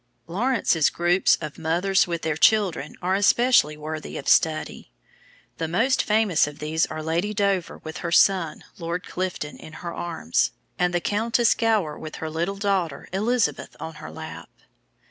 Lawrence's groups of mothers with their children are especially worthy of study. The most famous of these are Lady Dover, with her son, Lord Clifden, in her arms, and the Countess Gower, with her little daughter Elizabeth on her lap.